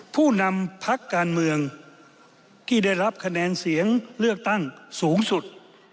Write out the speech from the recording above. ผู้นำพักการเมืองที่ได้รับคะแนนเสียงเลือกตั้งสูงสุด